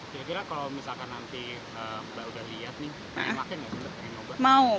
kira kira kalau misalkan nanti mbak udah lihat nih mau pakai nggak